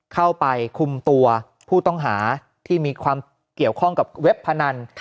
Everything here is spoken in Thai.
เข้าไปคุมตัวผู้ต้องหาที่มีความเกี่ยวข้องกับเว็บพนัน